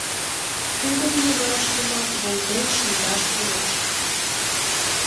Тудым леваш йымак волтен шындаш кӱлеш.